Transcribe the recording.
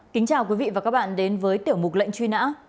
kính chào quý vị và các bạn đến với tiểu mục lệnh truy nã